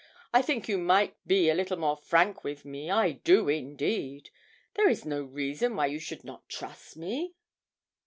I think you might be a little more frank with me, I do indeed. There is no reason why you should not trust me!'